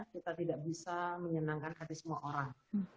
kita tidak bisa menyenangkan hati semua orang